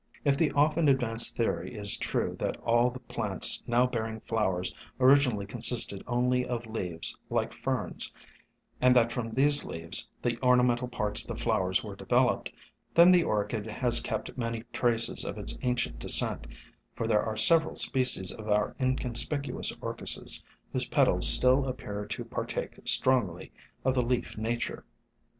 If the of ten advanced theory is true that all the plants now bearing flowers originally consisted only of leaves like ferns, and that from these leaves the ornamental parts of the flowers were developed, then the Orchid has kept many traces of its ancient descent, for there are several species of our SOME HUMBLE ORCHIDS I2Q inconspicuous Orchises whose petals still appear to partake strongly of the leaf nature.